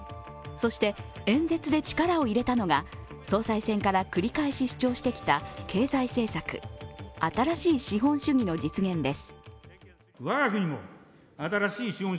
そして、演説で力を入れたのが、総裁選から繰り返しは主張してきた経済政策、新しい資本主義の実現です。